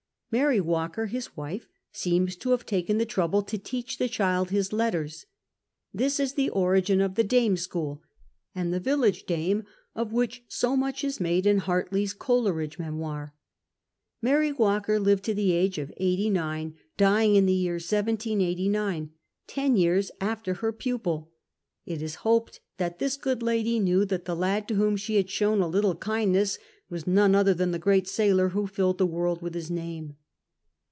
Mary Walker, his wife, seems to have taken the trouble to teach the child his letters. This is the origin of the dame's school and the village dame of which so much is made in Hartley Coleridge's Memoir. Mary Walker lived to the ago of eighty nine, dying in the year 1789, ten years after her pupil. It is liopcd that this good lady knew that the lad to whom she had shown a little kind ness was none other than the great sailor who filled the world with his name.